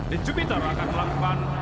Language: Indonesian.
the jupiter akan melakukan